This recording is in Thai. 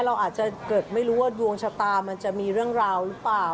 เราอาจจะเกิดไม่รู้ว่าดวงชะตามันจะมีเรื่องราวหรือเปล่า